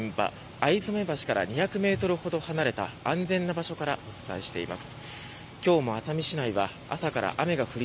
逢初川から２００ｍほど離れた安全な場所からお伝えしています。